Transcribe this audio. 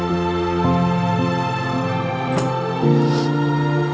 aku mau denger